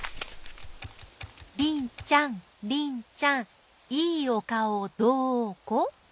りんちゃんりんちゃんいいおかおどーこ？